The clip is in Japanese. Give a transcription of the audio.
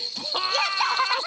やった！